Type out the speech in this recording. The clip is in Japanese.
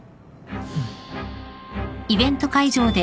うん。